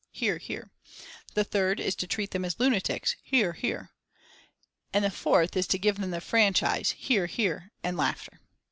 (Hear, hear.) The third is to treat them as lunatics. (Hear, hear.) And the fourth is to give them the franchise. (Hear, hear, and laughter.)